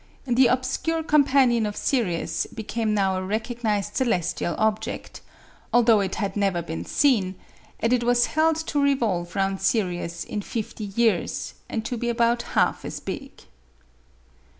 The obscure companion of Sirius became now a recognized celestial object, although it had never been seen, and it was held to revolve round Sirius in fifty years, and to be about half as big.